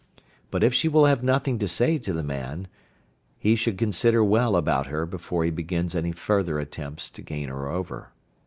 But if she will have nothing to say to the man, he should consider well about her before he begins any further attempts to gain her over.